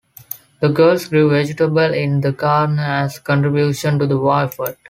The girls grew vegetables in the garden as a contribution to the war effort.